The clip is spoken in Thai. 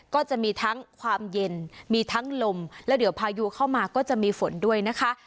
ก็จะมีทั้งความเย็นมีทั้งลมแล้วเดี๋ยวพายุเข้ามาก็จะมีฝนด้วยนะคะ